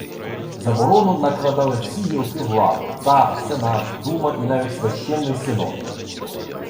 Заборону накладали всі гілки влади: цар, сенат, дума і навіть священний синод